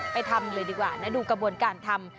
ทำเลยดีกว่านะดูกระบวนการทำ